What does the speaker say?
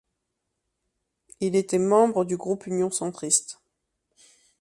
Il était membre du groupe Union Centriste.